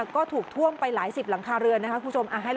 ก็ถูกท่วมไปหลายสิบหลังคาเรือนนะครับคุณผู้ชม